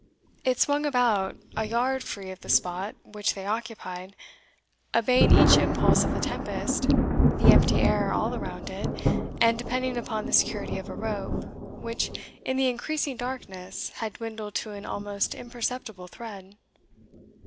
It swung about a yard free of the spot which they occupied, obeying each impulse of the tempest, the empty air all around it, and depending upon the security of a rope, which, in the increasing darkness, had dwindled to an almost imperceptible thread.